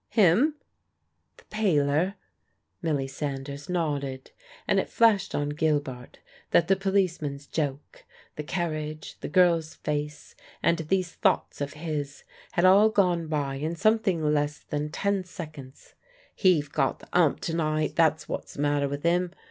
"Him?" "The peeler," Milly Sanders nodded; and it flashed on Gilbart that the policeman's joke, the carriage, the girl's face and these thoughts of his had all gone by in something less than ten seconds. "He've got the 'ump to night, that's what's the matter with 'im."